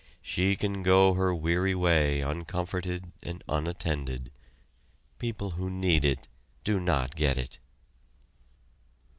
She can go her weary way uncomforted and unattended. People who need it do not get it.